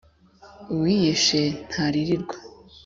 Uwiyishe ntaririrwa.